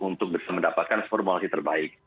untuk mendapatkan formulasi terbaik